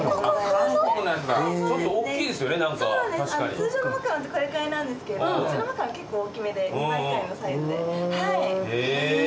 通常のマカロンってこれくらいなんですけどうちのマカロン結構大きめで２倍くらいのサイズで。